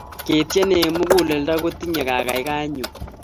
ketien eng mukuleldo kotinyei kakaikaet nyuu